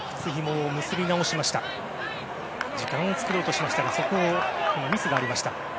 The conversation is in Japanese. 時間を作ろうとしましたがミスがありました、メキシコ。